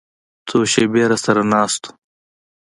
څو شېبې راسره ناست و.